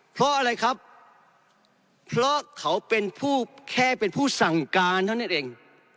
เพราะอะไรครับเพราะเขาเป็นผู้แค่เป็นผู้สั่งการเท่านั้นเอง